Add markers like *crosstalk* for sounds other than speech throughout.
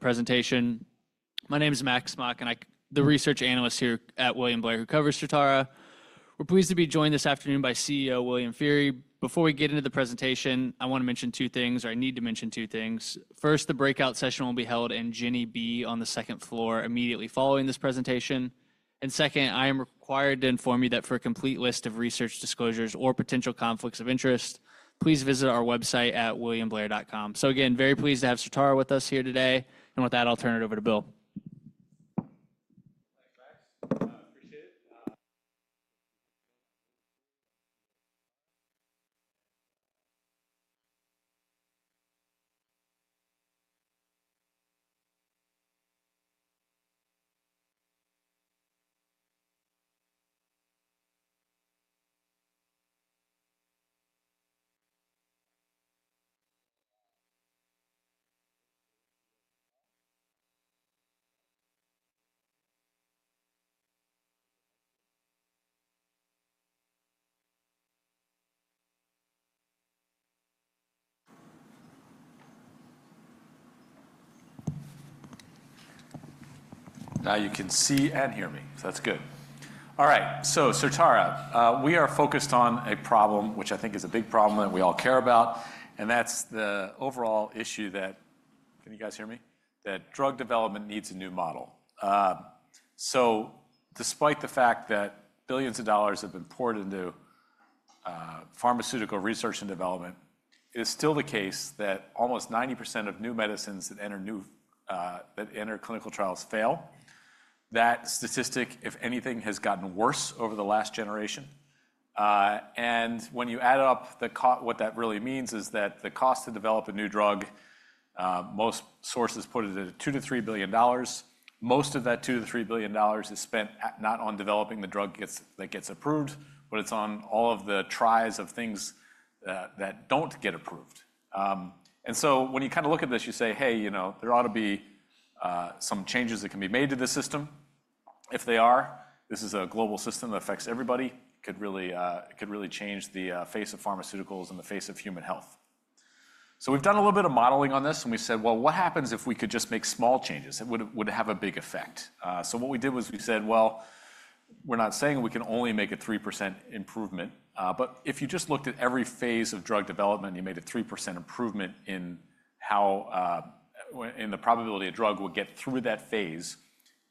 Presentation. My name is Max Mock, and I'm the research analyst here at William Blair who covers Certara. We're pleased to be joined this afternoon by CEO William Feehery. Before we get into the presentation, I want to mention two things, or I need to mention two things. First, the breakout session will be held in Genie B on the second floor immediately following this presentation. Second, I am required to inform you that for a complete list of research disclosures or potential conflicts of interest, please visit our website at williamblair.com. Again, very pleased to have Certara with us here today. With that, I'll turn it over to Bill. Thanks, Max. Appreciate it. Now you can see and hear me. So that's good. All right. So Certara, we are focused on a problem, which I think is a big problem that we all care about. And that's the overall issue that—can you guys hear me?—that drug development needs a new model. Despite the fact that billions of dollars have been poured into pharmaceutical research and development, it is still the case that almost 90% of new medicines that enter clinical trials fail. That statistic, if anything, has gotten worse over the last generation. When you add up what that really means is that the cost to develop a new drug, most sources put it at $2 billion-$3 billion. Most of that $2 billion-$3 billion is spent not on developing the drug that gets approved, but it's on all of the tries of things that don't get approved. When you kind of look at this, you say, "Hey, there ought to be some changes that can be made to the system." If they are, this is a global system that affects everybody. It could really change the face of pharmaceuticals and the face of human health. We have done a little bit of modeling on this, and we said, "What happens if we could just make small changes that would have a big effect?" What we did was we said, "We are not saying we can only make a 3% improvement. If you just looked at every phase of drug development and you made a 3% improvement in the probability a drug would get through that phase,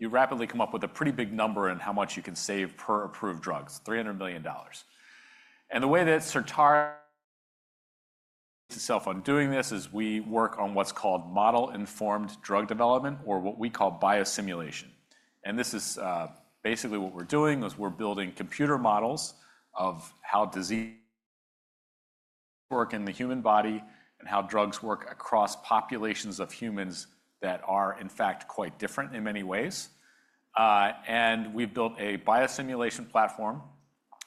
you'd rapidly come up with a pretty big number in how much you can save per approved drug: $300 million. The way that Certara *audio distortion* puts itself on doing this is we work on what's called model-informed drug development, or what we call biosimulation. This is basically what we're doing: we're building computer models of how diseases *audio distortion* work in the human body and how drugs work across populations of humans that are, in fact, quite different in many ways. We have built a biosimulation platform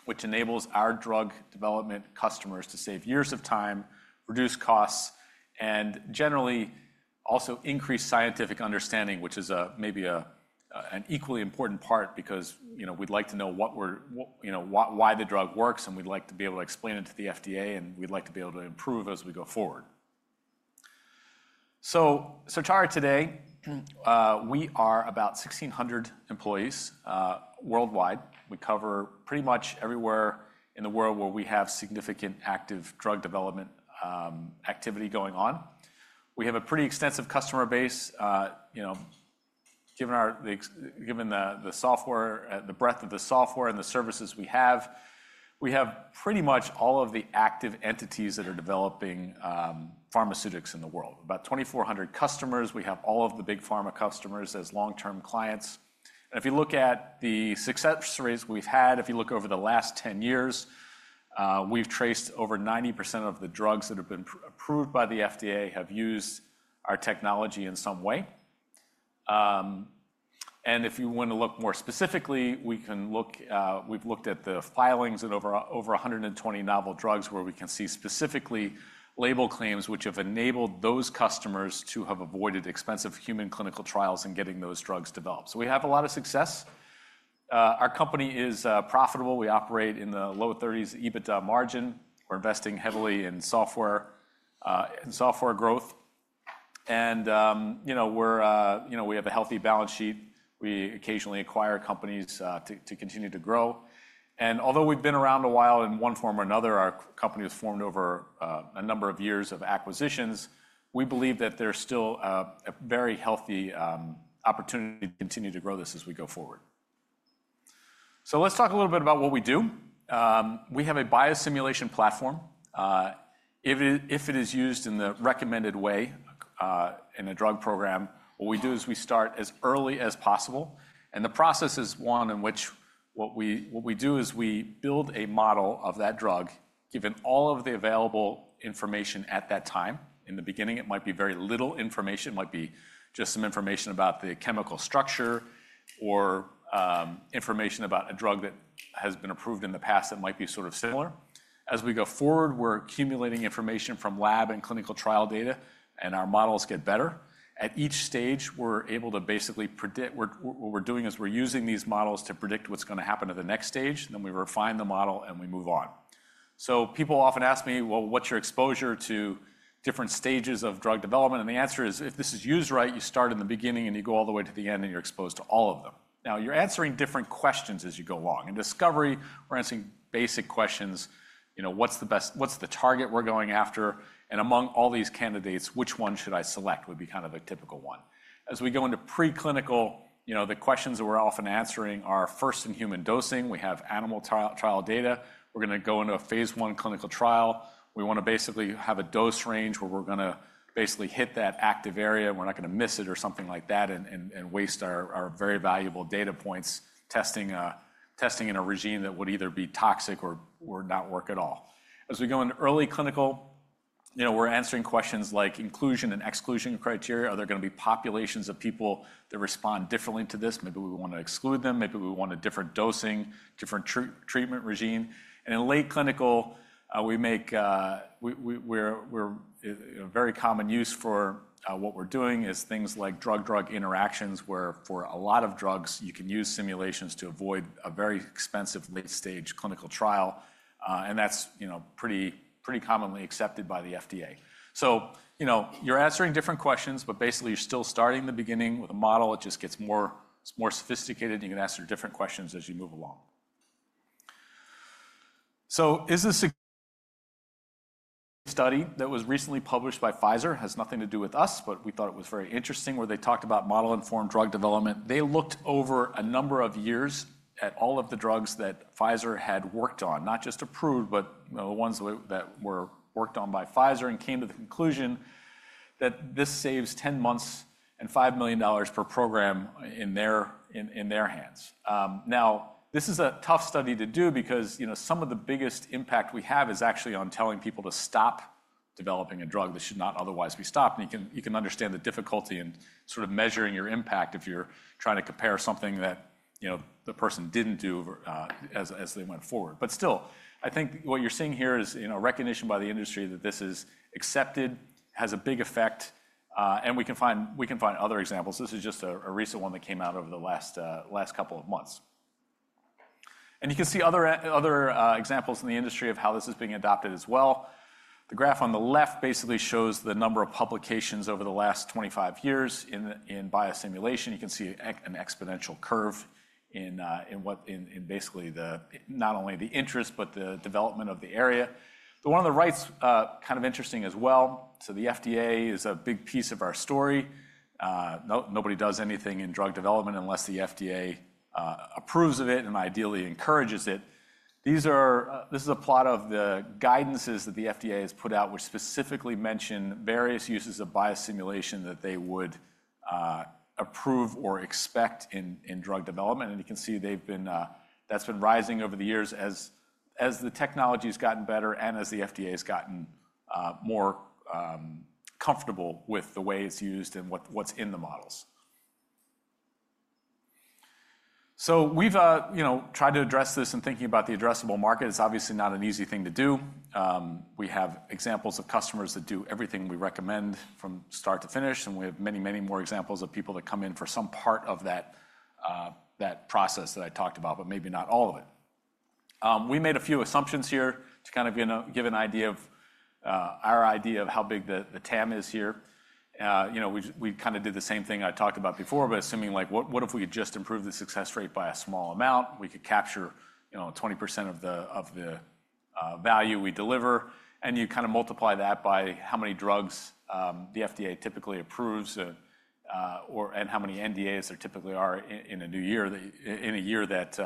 which enables our drug development customers to save years of time, reduce costs, and generally also increase scientific understanding, which is maybe an equally important part because we would like to know why the drug works, and we would like to be able to explain it to the FDA, and we would like to be able to improve as we go forward. Certara today, we are about 1,600 employees worldwide. We cover pretty much everywhere in the world where we have significant active drug development activity going on. We have a pretty extensive customer base. Given the breadth of the software and the services we have, we have pretty much all of the active entities that are developing pharmaceutics in the world: about 2,400 customers. We have all of the big pharma customers as long-term clients. If you look at the success stories we've had, if you look over the last 10 years, we've traced over 90% of the drugs that have been approved by the FDA have used our technology in some way. If you want to look more specifically, we've looked at the filings of over 120 novel drugs where we can see specifically label claims which have enabled those customers to have avoided expensive human clinical trials in getting those drugs developed. We have a lot of success. Our company is profitable. We operate in the low 30% EBITDA margin. We're investing heavily in software growth. We have a healthy balance sheet. We occasionally acquire companies to continue to grow. Although we've been around a while in one form or another, our company was formed over a number of years of acquisitions. We believe that there's still a very healthy opportunity to continue to grow this as we go forward. Let's talk a little bit about what we do. We have a biosimulation platform. If it is used in the recommended way in a drug program, what we do is we start as early as possible. The process is one in which what we do is we build a model of that drug given all of the available information at that time. In the beginning, it might be very little information. It might be just some information about the chemical structure or information about a drug that has been approved in the past that might be sort of similar. As we go forward, we're accumulating information from lab and clinical trial data, and our models get better. At each stage, we're able to basically predict what we're doing is we're using these models to predict what's going to happen to the next stage. We refine the model, and we move on. People often ask me, "Well, what's your exposure to different stages of drug development?" The answer is, if this is used right, you start in the beginning and you go all the way to the end, and you're exposed to all of them. Now, you're answering different questions as you go along. In discovery, we're answering basic questions: what's the target we're going after? And among all these candidates, which one should I select would be kind of a typical one. As we go into preclinical, the questions that we're often answering are first in human dosing. We have animal trial data. We're going to go into a phase I clinical trial. We want to basically have a dose range where we're going to basically hit that active area. We're not going to miss it or something like that and waste our very valuable data points testing in a regime that would either be toxic or not work at all. As we go into early clinical, we're answering questions like inclusion and exclusion criteria. Are there going to be populations of people that respond differently to this? Maybe we want to exclude them. Maybe we want a different dosing, different treatment regime. In late clinical, we make very common use for what we're doing is things like drug-drug interactions where, for a lot of drugs, you can use simulations to avoid a very expensive late-stage clinical trial. That's pretty commonly accepted by the FDA. You're answering different questions, but basically, you're still starting the beginning with a model. It just gets more sophisticated, and you can answer different questions as you move along. Is this a study that was recently published by Pfizer? It has nothing to do with us, but we thought it was very interesting where they talked about model-informed drug development. They looked over a number of years at all of the drugs that Pfizer had worked on, not just approved, but the ones that were worked on by Pfizer and came to the conclusion that this saves 10 months and $5 million per program in their hands. Now, this is a tough study to do because some of the biggest impact we have is actually on telling people to stop developing a drug that should not otherwise be stopped. You can understand the difficulty in sort of measuring your impact if you're trying to compare something that the person didn't do as they went forward. Still, I think what you're seeing here is recognition by the industry that this is accepted, has a big effect, and we can find other examples. This is just a recent one that came out over the last couple of months. You can see other examples in the industry of how this is being adopted as well. The graph on the left basically shows the number of publications over the last 25 years in biosimulation. You can see an exponential curve in basically not only the interest, but the development of the area. The one on the right's kind of interesting as well. The FDA is a big piece of our story. Nobody does anything in drug development unless the FDA approves of it and ideally encourages it. This is a plot of the guidances that the FDA has put out, which specifically mention various uses of biosimulation that they would approve or expect in drug development. You can see that's been rising over the years as the technology has gotten better and as the FDA has gotten more comfortable with the way it's used and what's in the models. We have tried to address this in thinking about the addressable market. It's obviously not an easy thing to do. We have examples of customers that do everything we recommend from start to finish. We have many, many more examples of people that come in for some part of that process that I talked about, but maybe not all of it. We made a few assumptions here to kind of give an idea of our idea of how big the TAM is here. We kind of did the same thing I talked about before, but assuming like, "What if we could just improve the success rate by a small amount? We could capture 20% of the value we deliver. You kind of multiply that by how many drugs the FDA typically approves and how many NDAs there typically are in a year that,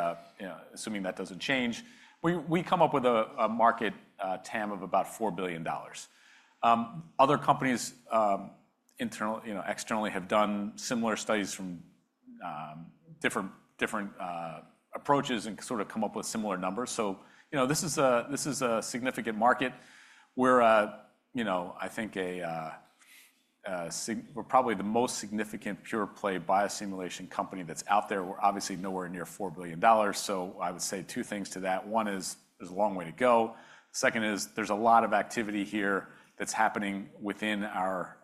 assuming that does not change, we come up with a market TAM of about $4 billion. Other companies externally have done similar studies from different approaches and sort of come up with similar numbers. This is a significant market where I think we are probably the most significant pure-play biosimulation company that is out there. We are obviously nowhere near $4 billion. I would say two things to that. One is there is a long way to go. Second is there's a lot of activity here that's happening within our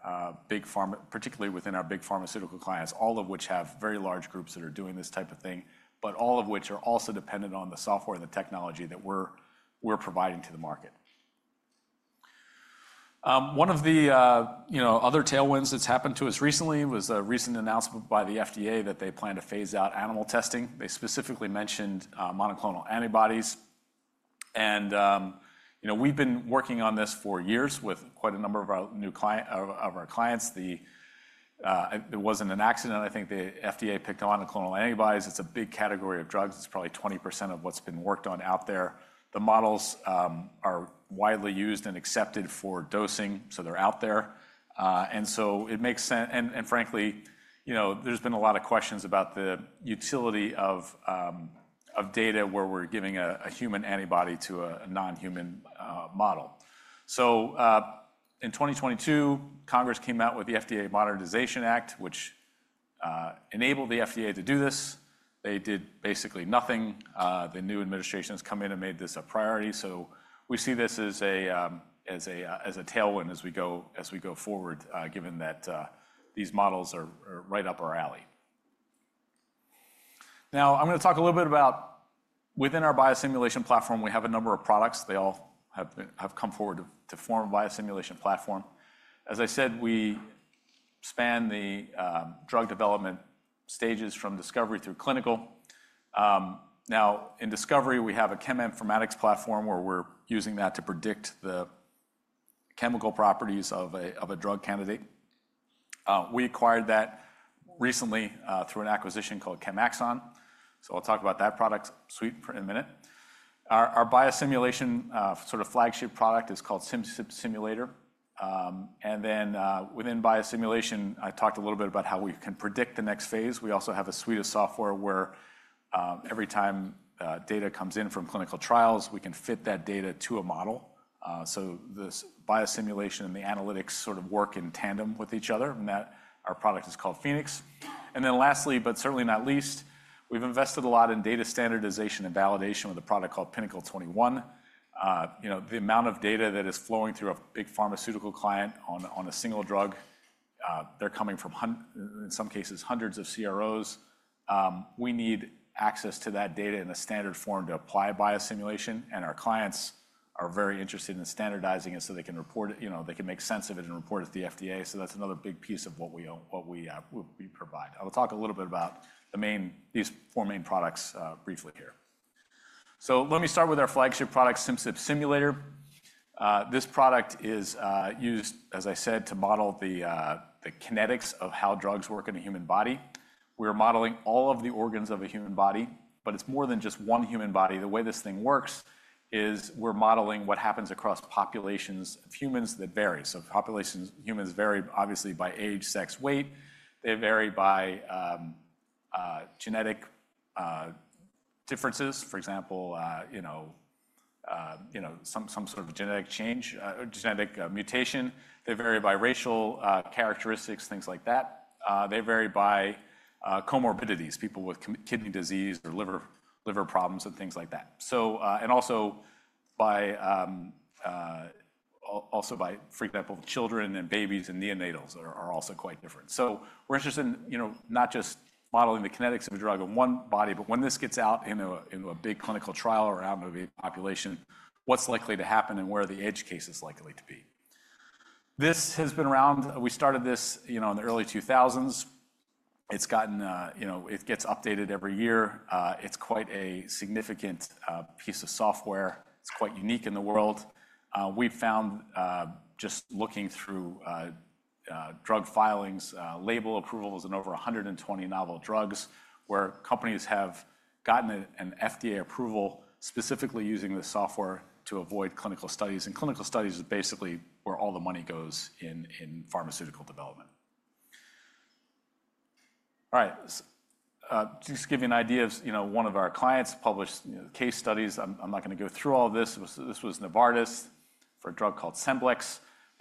big pharmaceutical clients, all of which have very large groups that are doing this type of thing, but all of which are also dependent on the software and the technology that we're providing to the market. One of the other tailwinds that's happened to us recently was a recent announcement by the FDA that they plan to phase out animal testing. They specifically mentioned monoclonal antibodies. And we've been working on this for years with quite a number of our clients. It wasn't an accident, I think, the FDA picked monoclonal antibodies. It's a big category of drugs. It's probably 20% of what's been worked on out there. The models are widely used and accepted for dosing, so they're out there. It makes sense. Frankly, there's been a lot of questions about the utility of data where we're giving a human antibody to a non-human model. In 2022, Congress came out with the FDA Modernization Act, which enabled the FDA to do this. They did basically nothing. The new administration has come in and made this a priority. We see this as a tailwind as we go forward, given that these models are right up our alley. Now, I'm going to talk a little bit about within our biosimulation platform, we have a number of products. They all have come forward to form a biosimulation platform. As I said, we span the drug development stages from discovery through clinical. In discovery, we have a ChemInformatics platform where we're using that to predict the chemical properties of a drug candidate. We acquired that recently through an acquisition called Chemaxon. I'll talk about that product suite in a minute. Our biosimulation sort of flagship product is called Simcyp Simulator. Within biosimulation, I talked a little bit about how we can predict the next phase. We also have a suite of software where every time data comes in from clinical trials, we can fit that data to a model. This biosimulation and the analytics sort of work in tandem with each other. Our product is called Phoenix. Lastly, but certainly not least, we've invested a lot in data standardization and validation with a product called Pinnacle 21. The amount of data that is flowing through a big pharmaceutical client on a single drug, they're coming from, in some cases, hundreds of CROs. We need access to that data in a standard form to apply biosimulation. Our clients are very interested in standardizing it so they can report it. They can make sense of it and report it to the FDA. That's another big piece of what we provide. I'll talk a little bit about these four main products briefly here. Let me start with our flagship product, Simcyp Simulator. This product is used, as I said, to model the kinetics of how drugs work in a human body. We are modeling all of the organs of a human body, but it's more than just one human body. The way this thing works is we're modeling what happens across populations of humans that vary. Populations of humans vary, obviously, by age, sex, weight. They vary by genetic differences, for example, some sort of genetic change or genetic mutation. They vary by racial characteristics, things like that. They vary by comorbidities, people with kidney disease or liver problems and things like that. Also, for example, children and babies and neonatals are also quite different. We are interested in not just modeling the kinetics of a drug in one body, but when this gets out into a big clinical trial around a population, what is likely to happen and where the edge case is likely to be. This has been around. We started this in the early 2000s. It gets updated every year. It is quite a significant piece of software. It is quite unique in the world. We have found, just looking through drug filings, label approvals in over 120 novel drugs where companies have gotten an FDA approval specifically using the software to avoid clinical studies. Clinical studies is basically where all the money goes in pharmaceutical development. All right. Just to give you an idea of one of our clients published case studies. I'm not going to go through all of this. This was Novartis for a drug called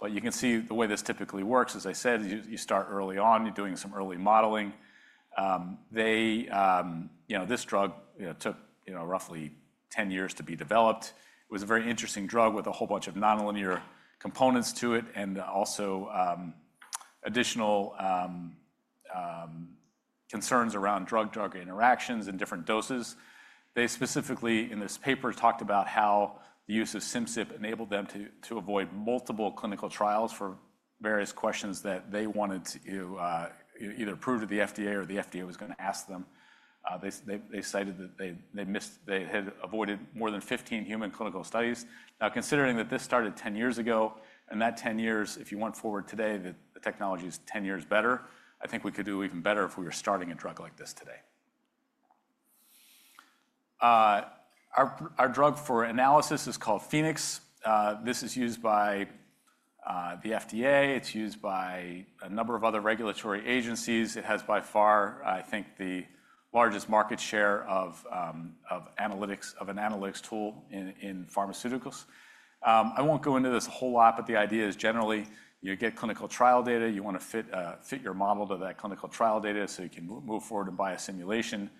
Scemblix. You can see the way this typically works. As I said, you start early on. You're doing some early modeling. This drug took roughly 10 years to be developed. It was a very interesting drug with a whole bunch of nonlinear components to it and also additional concerns around drug-drug interactions and different doses. They specifically in this paper talked about how the use of Simcyp enabled them to avoid multiple clinical trials for various questions that they wanted to either prove to the FDA or the FDA was going to ask them. They cited that they had avoided more than 15 human clinical studies. Now, considering that this started 10 years ago, and that 10 years, if you went forward today, the technology is 10 years better, I think we could do even better if we were starting a drug like this today. Our drug for analysis is called Phoenix. This is used by the FDA. It's used by a number of other regulatory agencies. It has by far, I think, the largest market share of an analytics tool in pharmaceuticals. I won't go into this a whole lot, but the idea is generally you get clinical trial data. You want to fit your model to that clinical trial data so you can move forward and by a simulation.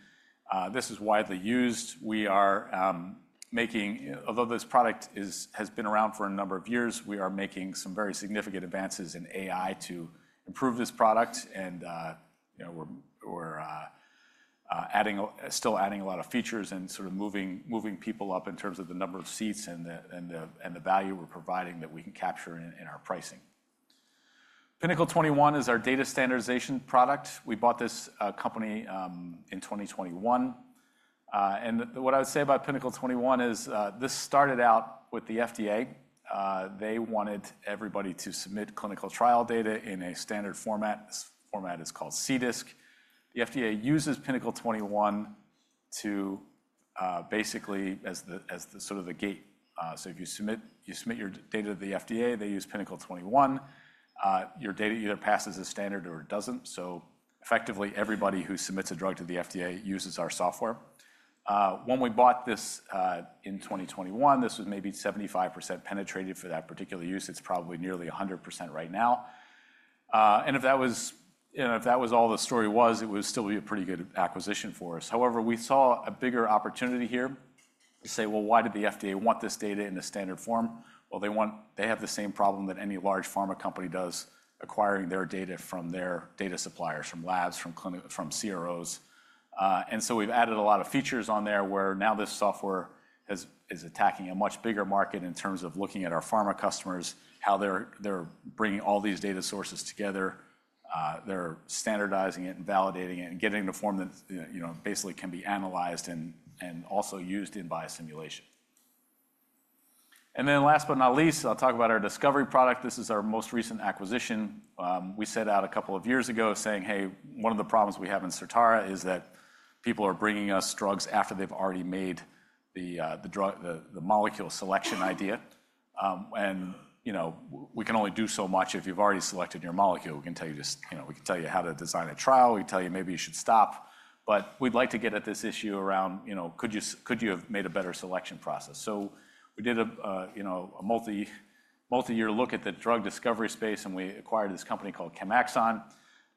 This is widely used. Although this product has been around for a number of years, we are making some very significant advances in AI to improve this product. We're still adding a lot of features and sort of moving people up in terms of the number of seats and the value we're providing that we can capture in our pricing. Pinnacle 21 is our data standardization product. We bought this company in 2021. What I would say about Pinnacle 21 is this started out with the FDA. They wanted everybody to submit clinical trial data in a standard format. This format is called CDISC. The FDA uses Pinnacle 21 basically as sort of a gate. If you submit your data to the FDA, they use Pinnacle 21. Your data either passes a standard or it doesn't. Effectively, everybody who submits a drug to the FDA uses our software. When we bought this in 2021, this was maybe 75% penetrated for that particular use. It's probably nearly 100% right now. If that was all the story was, it would still be a pretty good acquisition for us. However, we saw a bigger opportunity here. We say, "Why did the FDA want this data in a standard form?" They have the same problem that any large pharma company does, acquiring their data from their data suppliers, from labs, from CROs. We have added a lot of features on there where now this software is attacking a much bigger market in terms of looking at our pharma customers, how they're bringing all these data sources together. They're standardizing it and validating it and getting it to a form that basically can be analyzed and also used in biosimulation. Last but not least, I'll talk about our discovery product. This is our most recent acquisition. We set out a couple of years ago saying, "Hey, one of the problems we have in Certara is that people are bringing us drugs after they've already made the molecule selection idea." We can only do so much. If you've already selected your molecule, we can tell you how to design a trial. We can tell you maybe you should stop. We'd like to get at this issue around, "Could you have made a better selection process?" We did a multi-year look at the drug discovery space, and we acquired this company called Chemaxon.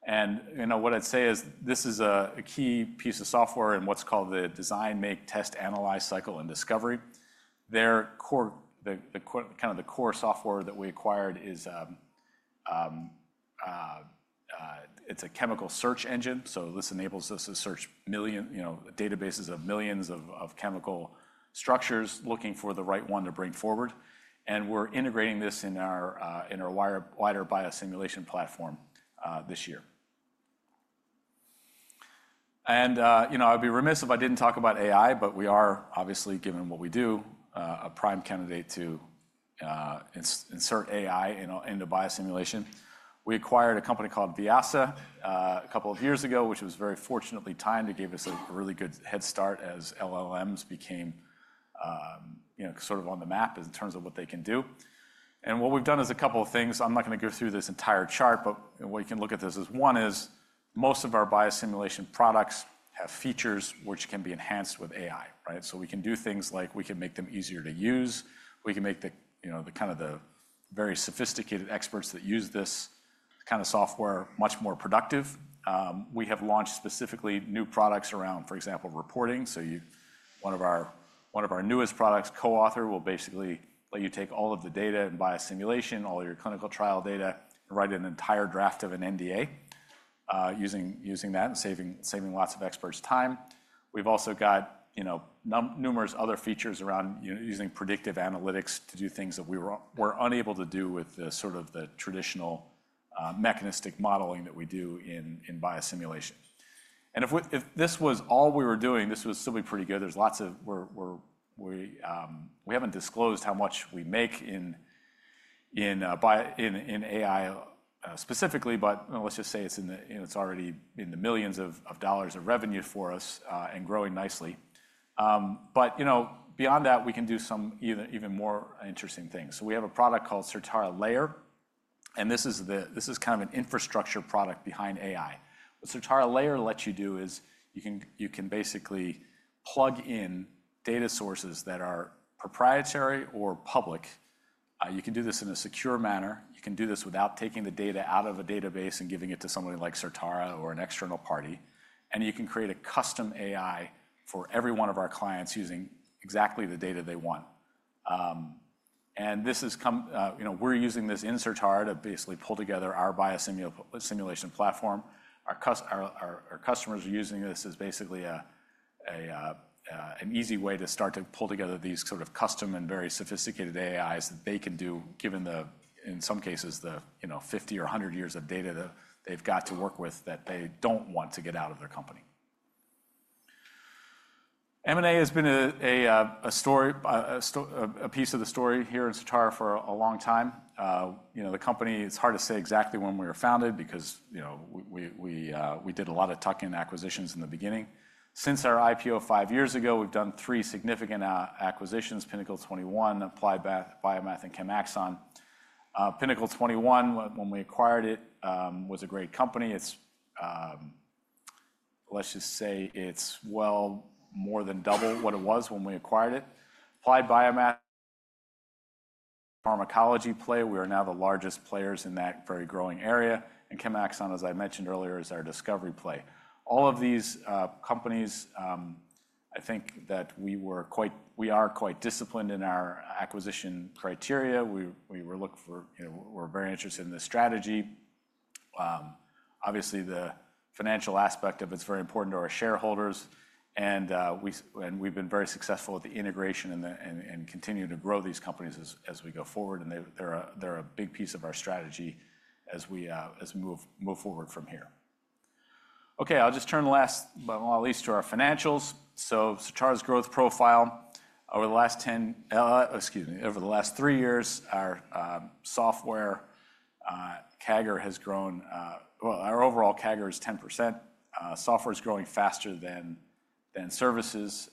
What I'd say is this is a key piece of software in what's called the design, make, test, analyze cycle in discovery. The core software that we acquired is a chemical search engine. This enables us to search databases of millions of chemical structures looking for the right one to bring forward. We are integrating this in our wider biosimulation platform this year. I would be remiss if I did not talk about AI, but we are, obviously, given what we do, a prime candidate to insert AI into biosimulation. We acquired a company called Vyasa a couple of years ago, which was very fortunately timed to give us a really good head start as LLMs became sort of on the map in terms of what they can do. What we have done is a couple of things. I am not going to go through this entire chart, but the way you can look at this is one is most of our biosimulation products have features which can be enhanced with AI, right? We can do things like we can make them easier to use. We can make the kind of the very sophisticated experts that use this kind of software much more productive. We have launched specifically new products around, for example, reporting. One of our newest products, CoAuthor, will basically let you take all of the data and biosimulation, all of your clinical trial data, and write an entire draft of an NDA using that and saving lots of experts time. We've also got numerous other features around using predictive analytics to do things that we were unable to do with sort of the traditional mechanistic modeling that we do in biosimulation. If this was all we were doing, this would still be pretty good. There's lots of we haven't disclosed how much we make in AI specifically, but let's just say it's already in the millions of dollars of revenue for us and growing nicely. Beyond that, we can do some even more interesting things. We have a product called Certara Layar. This is kind of an infrastructure product behind AI. What Certara Layar lets you do is you can basically plug in data sources that are proprietary or public. You can do this in a secure manner. You can do this without taking the data out of a database and giving it to somebody like Certara or an external party. You can create a custom AI for every one of our clients using exactly the data they want. We're using this in Certara to basically pull together our biosimulation platform. Our customers are using this as basically an easy way to start to pull together these sort of custom and very sophisticated AIs that they can do, given in some cases the 50 or 100 years of data that they've got to work with that they don't want to get out of their company. M&A has been a piece of the story here in Certara for a long time. The company, it's hard to say exactly when we were founded because we did a lot of tuck-in acquisitions in the beginning. Since our IPO five years ago, we've done three significant acquisitions: Pinnacle 21, Applied BioMath, and Chemaxon. Pinnacle 21, when we acquired it, was a great company. Let's just say it's well more than double what it was when we acquired it. Applied BioMath *audio distortion* pharmacology player, we are now the largest players in that very growing area. Chemaxon, as I mentioned earlier, is our discovery play. All of these companies, I think that we are quite disciplined in our acquisition criteria. We were very interested in the strategy. Obviously, the financial aspect of it is very important to our shareholders. We have been very successful with the integration and continue to grow these companies as we go forward. They are a big piece of our strategy as we move forward from here. I will just turn last, but not least, to our financials. Certara's growth profile over the last 10, excuse me, over the last three years, our software CAGR has grown. Our overall CAGR is 10%. Software is growing faster than services.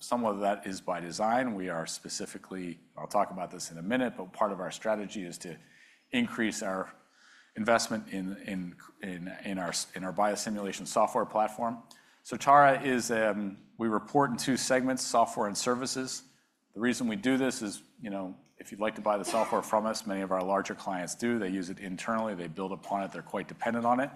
Some of that is by design. We are specifically, I will talk about this in a minute, but part of our strategy is to increase our investment in our biosimulation software platform. Certara is we report in two segments, software and services. The reason we do this is if you'd like to buy the software from us, many of our larger clients do. They use it internally. They build upon it. They're quite dependent on it.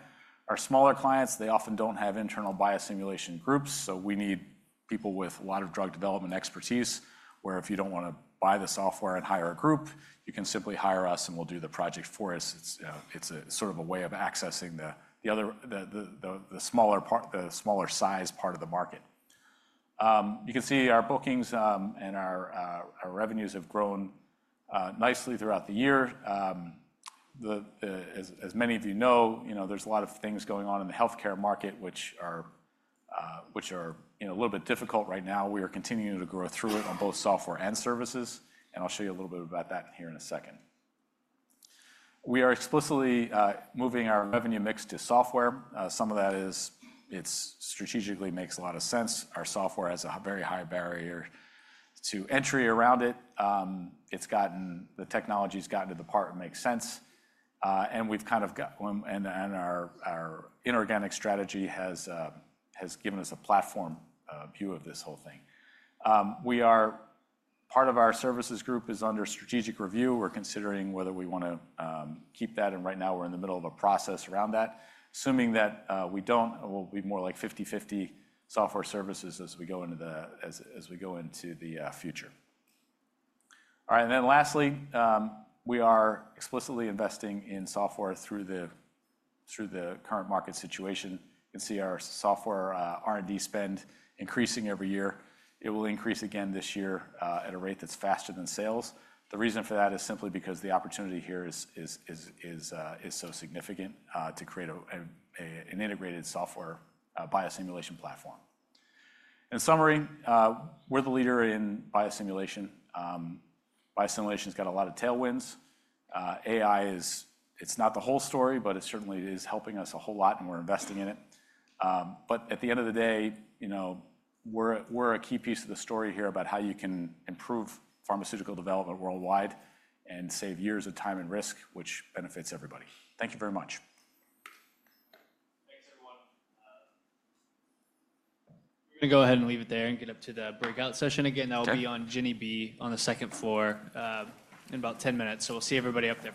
Our smaller clients, they often don't have internal biosimulation groups. So we need people with a lot of drug development expertise where if you don't want to buy the software and hire a group, you can simply hire us and we'll do the project for us. It's sort of a way of accessing the smaller size part of the market. You can see our bookings and our revenues have grown nicely throughout the year. As many of you know, there's a lot of things going on in the healthcare market which are a little bit difficult right now. We are continuing to grow through it on both software and services. I'll show you a little bit about that here in a second. We are explicitly moving our revenue mix to software. Some of that is it strategically makes a lot of sense. Our software has a very high barrier to entry around it. The technology has gotten to the part it makes sense. Our inorganic strategy has given us a platform view of this whole thing. Part of our services group is under strategic review. We're considering whether we want to keep that. Right now, we're in the middle of a process around that, assuming that we don't. We'll be more like 50/50 software services as we go into the future. Lastly, we are explicitly investing in software through the current market situation. You can see our software R&D spend increasing every year. It will increase again this year at a rate that's faster than sales. The reason for that is simply because the opportunity here is so significant to create an integrated software biosimulation platform. In summary, we're the leader in biosimulation. Biosimulation has got a lot of tailwinds. AI, it's not the whole story, but it certainly is helping us a whole lot, and we're investing in it. At the end of the day, we're a key piece of the story here about how you can improve pharmaceutical development worldwide and save years of time and risk, which benefits everybody. Thank you very much. Thanks, everyone. We're going to go ahead and leave it there and get up to the breakout session. Again, that will be on Genie B on the second floor in about 10 minutes. We'll see everybody up there.